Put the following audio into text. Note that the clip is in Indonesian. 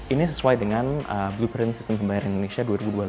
ini sesuai dengan blueprint sistem pembayaran indonesia dua ribu dua puluh lima